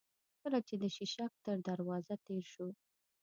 کله چې د شېشک تر دروازه تېر شوو.